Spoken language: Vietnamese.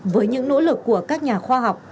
với những nỗ lực của các nhà khoa học